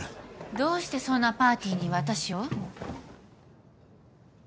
どうしてそんなパーティーに私を？